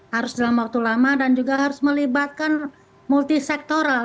harus dalam waktu lama dan juga harus melibatkan multisektoral